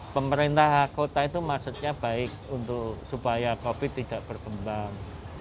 pemerintah kota itu maksudnya baik supaya covid sembilan belas tidak berkembang